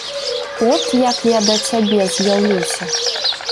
От як я да цябе з'яўлюся.